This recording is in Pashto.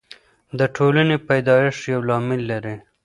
د ټولني پیدایښت یو لامل لري.